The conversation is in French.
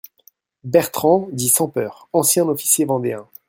BERTRAND dit SANS-PEUR, ancien officier vendéen.